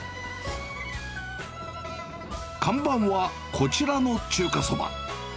看板はこちらの中華そば。